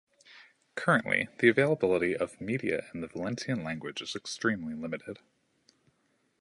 Currently, the availability of media in the Valencian language is extremely limited.